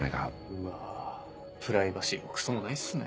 うわプライバシーもクソもないっすね。